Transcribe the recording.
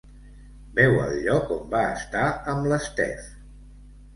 Veu el lloc on va estar amb l'Steph.